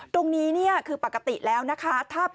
ตรงนี้เนี่ยคือปกติแล้วนะคะ